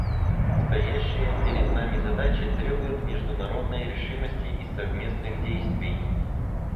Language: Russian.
Стоящие перед нами задачи требуют международной решимости и совместных действий.